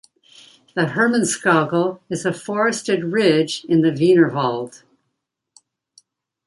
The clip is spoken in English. The Hermannskogel is a forested ridge in the Wienerwald.